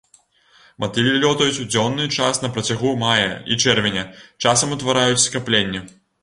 Матылі лётаюць у дзённы час на працягу мая і чэрвеня, часам утвараюць скапленні.